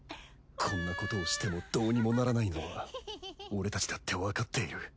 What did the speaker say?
こんなことをしてもどうにもならないのは俺たちだってわかっている。